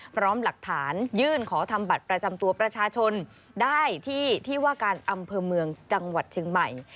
พร้อมหลักฐานยื่นขอทำบัตรประจำตัวประชาชนได้ที่ที่ว่าการอำเภอเมืองจังหวัดเชียงใหม่